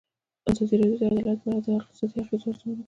ازادي راډیو د عدالت په اړه د اقتصادي اغېزو ارزونه کړې.